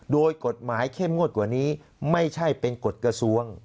โดยกฎหมายเข้มงวดกว่านี้ไม่ใช่เป็นกฎกระทรวง